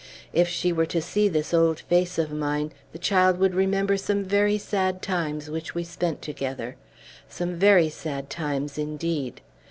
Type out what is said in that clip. If she were to see this old face of mine, the child would remember some very sad times which we have spent together. Some very sad times, indeed!